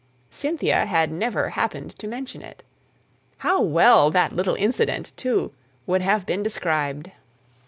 Cynthia had never happened to mention it. How well that little incident, too, would have been described!